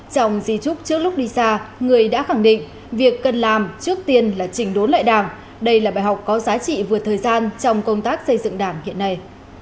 trong di trúc trước lúc đi xa người đã khẳng định việc cần làm trước tiên là chỉnh đốn lại đảng đây là bài học có giá trị vừa thời gian trong công tác xây dựng đảng hiện nay